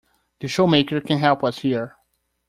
The shoemaker can help us here.